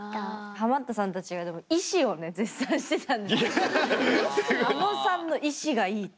ハマったさんたちがでも意志をね絶賛してたんですけどあのさんの意志がいいという。